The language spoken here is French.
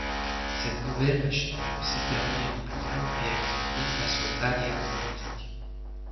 Cette nouvelle machine a aussi permis une plus grande réactivité face aux aléas climatiques.